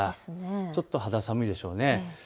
ちょっと肌寒いでしょうね。